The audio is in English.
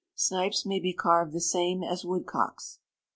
Snipes may be carved the same as woodcocks.